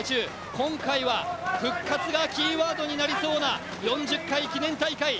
今回は復活がキーワードになりそうな、４０回記念大会。